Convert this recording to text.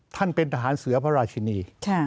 ท่านเป็นทหารเสือพระราชินี